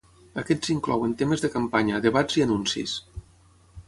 Aquests inclouen temes de campanya, debats i anuncis.